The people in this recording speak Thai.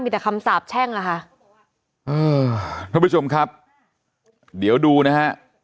มีแต่คำสาบแช่งอ่ะค่ะอืมท่านผู้ชมครับเดี๋ยวดูนะฮะ